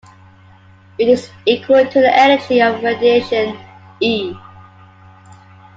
It is equal to the energy of radiation "E".